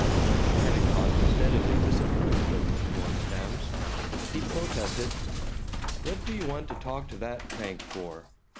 Kennicott steadily disapproved of the Bjornstams. He protested, "What do you want to talk to that crank for?"